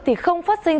thì không phát sinh